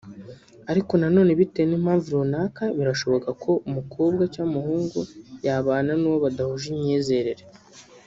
Ariko nanone bitewe n’impamvu runaka birashoboka ko umukobwa/umuhungu yabana n’uwo badahuje imyizerere